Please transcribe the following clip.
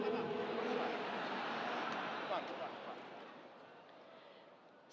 assalamualaikum warahmatullahi wabarakatuh